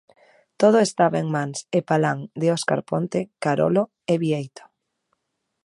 Todo estaba en mans e palán de Óscar Ponte, Carolo e Bieito.